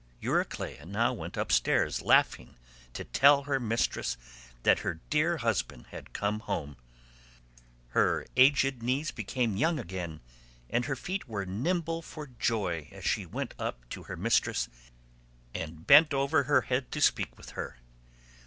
Euryclea now went upstairs laughing to tell her mistress that her dear husband had come home. Her aged knees became young again and her feet were nimble for joy as she went up to her mistress and bent over her head to speak to her.